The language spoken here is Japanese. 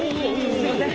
すみません！